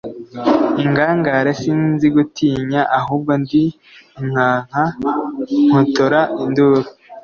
Ingangare sinzi gutinya ahubwo ndi inkaka mpotora induru